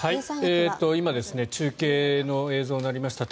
今中継の映像になりました。